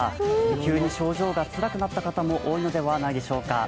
急に症状がつらくなった方も多いのではないでしょうか。